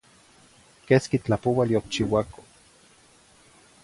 Quesqui tlapoual yocchiuaco.